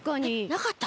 なかった？